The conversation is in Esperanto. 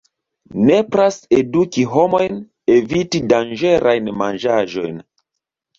Nepras eduki homojn eviti danĝerajn manĝaĵojn.